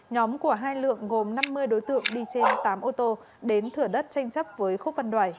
nhóm của hai lượng gồm năm mươi đối tượng đi trên tám ô tô đến thửa đất tranh chấp với khúc văn đoài